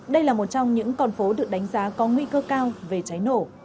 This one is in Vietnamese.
đây là một trong những con phố được đánh giá có nguy cơ cao về cháy nổ